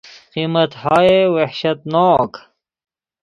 قیمتهای وحشتناک